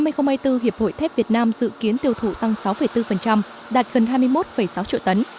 năm hai nghìn hai mươi bốn hiệp hội thép việt nam dự kiến tiêu thụ tăng sáu bốn đạt gần hai mươi một sáu triệu tấn